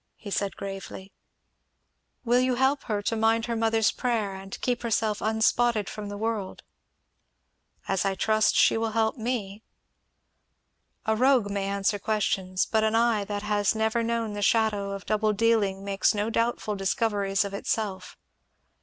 he said gravely. "Will you help her to mind her mother's prayer and keep herself unspotted from the world?" "As I trust she will help me." A rogue may answer questions, but an eye that has never known the shadow of double dealing makes no doubtful discoveries of itself.